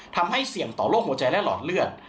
ทำให้เสี่ยงต่อโรคหัวใจและหลอดเลือด